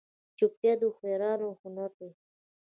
چوپتیا، د هوښیارانو هنر دی.